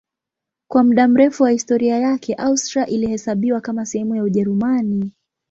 Kwa muda mrefu wa historia yake Austria ilihesabiwa kama sehemu ya Ujerumani.